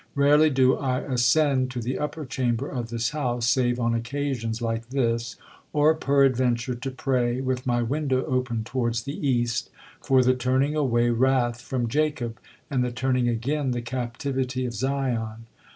Rarely do I ascend to the upper chamber of this house, save on occasions like this, or peradventure to pray, with my window open towards the east, for the turning away wrath from Jacob, and the turning again the captivity of Zion.